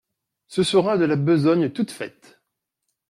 Ce sera de la besogne toute faite.